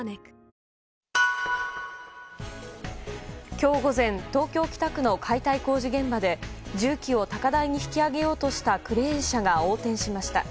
今日午前東京・北区の解体工事現場で重機を高台に引き上げようとしたクレーン車が横転しました。